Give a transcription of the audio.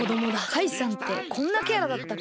カイさんってこんなキャラだったっけ？